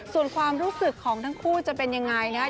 ส่วนความรู้สึกของทั้งคู่จะเป็นยังไงนะครับ